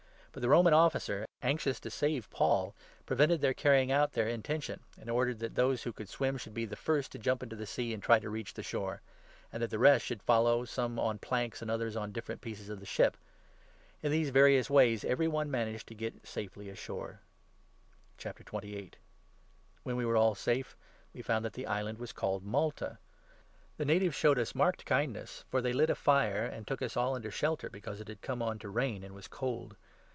But the Roman Officer, anxious 43 to save Paul, prevented their carrying out their intention, and ordered that those who could swim should be the first to jump into the sea and try to reach the shore ; and that the 44 rest should follow, some on planks, and others on different pieces of the ship. In these various ways every one managed to get safely ashore. Paul When we were all safe, we found that the i at Malta, island was called Malta. The natives showed us 2 marked kindness, for they lit a fire and took us all under shelter, because it had come on to rain and was cold.